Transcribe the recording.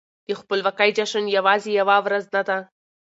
د خپلواکۍ جشن يوازې يوه ورځ نه ده.